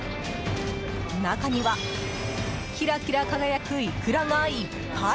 中にはキラキラ輝くイクラがいっぱい！